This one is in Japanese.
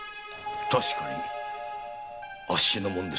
確かにあっしの物です。